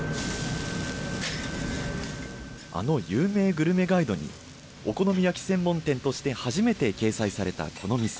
あの有名グルメガイドにお好み焼き専門店として初めて掲載されたこの店。